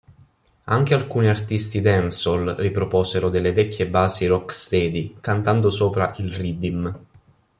Anche alcuni artisti dancehall riproposero delle vecchie basi rocksteady cantando sopra il riddim.